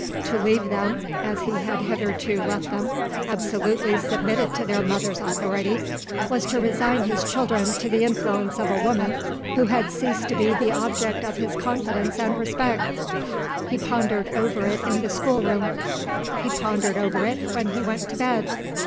To leave them (as he had hitherto left them) absolutely submitted to their mother's authority, was to resign his children to the influence of a woman, who had ceased to be the object of his confidence and respect. He pondered over it in the schoolroom; he pondered over it when he went to bed.